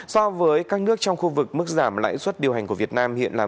giảm tương đối mạnh so với các nước trong khu vực mức giảm lãi suất điều hành của việt nam hiện là